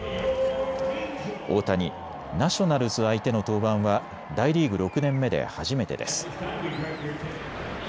大谷、ナショナルズ相手の登板は大リーグ６年目で初めてです。